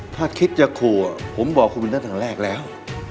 ถ้าคิดจะครัวผมบอกคุณวินทรัพย์ตั้งแรกแล้ว